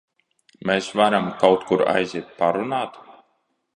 Mēs varam kaut kur aiziet parunāt?